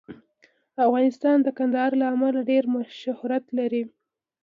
افغانستان د کندهار له امله ډېر شهرت لري.